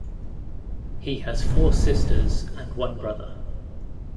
He has four sisters and one brother.